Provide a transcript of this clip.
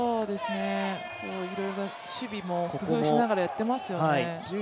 いろいろ守備も工夫しながら、やっていますよね。